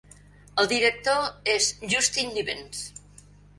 El director és Justin Nivens.